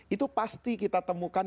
itu pasti kita temukan